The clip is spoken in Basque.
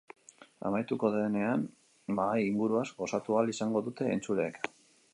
Amaituko denean, mahai inguruaz gozatu ahal izango dute entzuleek.